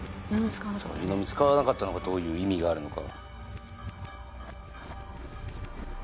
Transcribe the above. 湯飲み使わなかったのがどういう意味があるのか。